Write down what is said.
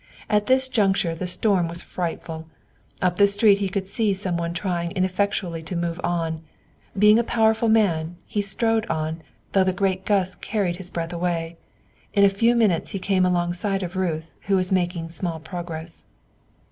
At this juncture the storm was frightful. Up the street he could see come one trying ineffectually to move on. Being a powerful man, he strode on, though the great gusts carried his breath away. In a few minutes he came alongside of Ruth, who was making small progress.